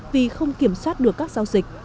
vì không kiểm soát được các giao dịch